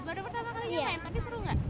baru pertama kalinya main tapi seru nggak